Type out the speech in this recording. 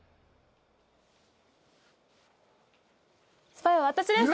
スパイは私です。